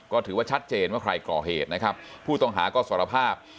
ก็ถือว่าชัดเจนว่าใครก่อเหตุนะครับผู้ต้องหาก็สารภาพ